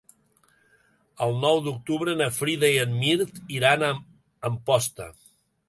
El nou d'octubre na Frida i en Mirt iran a Amposta.